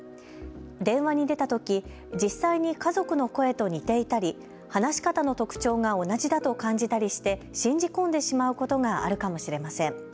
電話に出たとき実際に家族の声と似ていたり話し方の特徴が同じだと感じたりして信じ込んでしまうことがあるかもしれません。